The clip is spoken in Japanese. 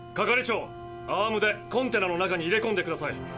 係長アームでコンテナの中に入れこんでください。